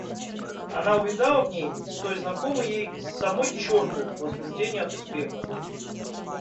Она увидала в ней столь знакомую ей самой черту возбуждения от успеха.